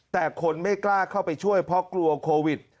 แต่คนไม่กล้าเข้าไปช่วยเพราะกลัวโควิด